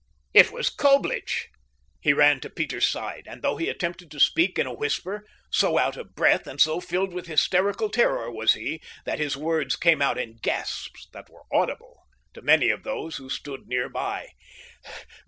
It was Coblich. He ran to Peter's side, and though he attempted to speak in a whisper, so out of breath, and so filled with hysterical terror was he that his words came out in gasps that were audible to many of those who stood near by.